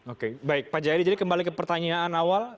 oke baik pak jayadi jadi kembali ke pertanyaan awal